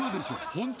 ⁉ホント？